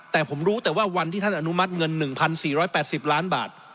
แต่ผมรู้แต่ว่าวันที่ท่านอนุมัติเงิน๑๔๘๐ล้านบาท